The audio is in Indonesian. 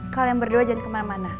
kalian berdua jangan kemana mana